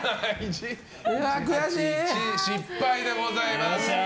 失敗でございます。